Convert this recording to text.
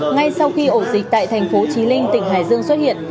ngay sau khi ổ dịch tại thành phố trí linh tỉnh hải dương xuất hiện